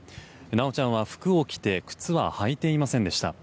修ちゃんは服を着て靴は履いていませんでした。